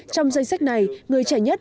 trong danh sách này người trẻ nhất